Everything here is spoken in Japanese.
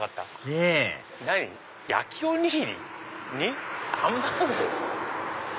ねぇ焼きおにぎりにハンバーグ？